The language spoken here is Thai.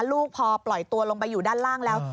ลูกพอปล่อยตัวลงไปอยู่ด้านล่างแล้ว